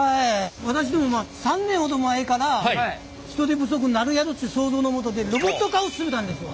私ども３年ほど前から人手不足になるやろうという想像のもとでロボット化を進めたんですわ。